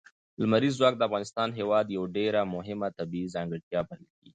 لمریز ځواک د افغانستان هېواد یوه ډېره مهمه طبیعي ځانګړتیا بلل کېږي.